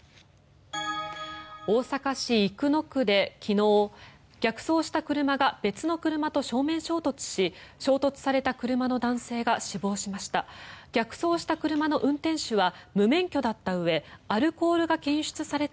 大阪市生野区で昨日逆走した車が別の車と正面衝突し衝突された車の男性が死亡しました。